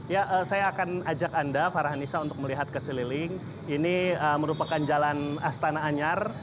ya saya akan ajak anda farhan nisa untuk melihat keseliling ini merupakan jalan astana anyar